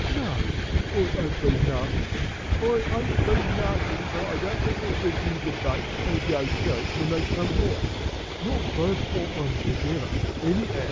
'No. I ain't bin narkin'. I ain't bin' narkin, but I don't want to see Ginger Bates an' Joe Kelly when they come out not both on 'em together, any'ow.